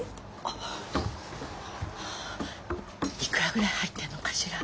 いくらぐらい入ってるのかしら。